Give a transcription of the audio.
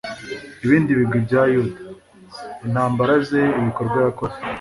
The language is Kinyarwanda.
ibindi bigwi bya yuda, intambara ze, ibikorwa yakoze